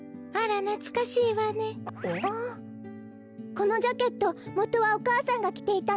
このジャケットもとはお母さんがきていたの？